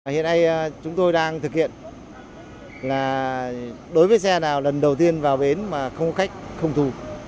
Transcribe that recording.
hiện nay chúng tôi đang thực hiện là đối với xe nào lần đầu tiên vào bến mà không khách không thu